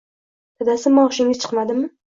-Dadasi maoshingiz chiqmadimi